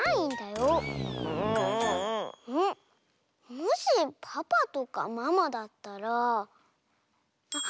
もしパパとかママだったらハッ！